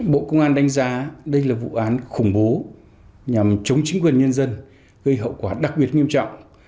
bộ công an đánh giá đây là vụ án khủng bố nhằm chống chính quyền nhân dân gây hậu quả đặc biệt nghiêm trọng